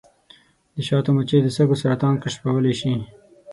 د شاتو مچۍ د سږو سرطان کشفولی شي.